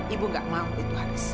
ibu nggak mau itu haris